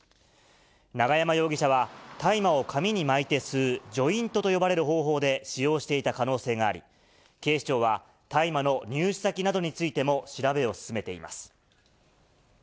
永山容疑者は、大麻を紙に巻いて吸うジョイントと呼ばれる方法で使用していた可能性があり、警視庁は、大麻の入手先などについても調べを進めています。